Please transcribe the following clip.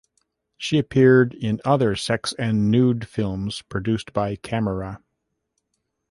She appeared in other sex and nude films produced by "Kamera".